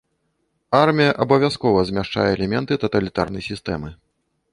Армія абавязкова змяшчае элементы таталітарнай сістэмы.